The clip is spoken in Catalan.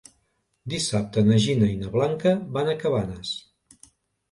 Dissabte na Gina i na Blanca van a Cabanes.